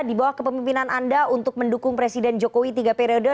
di bawah kepemimpinan anda untuk mendukung presiden jokowi tiga periode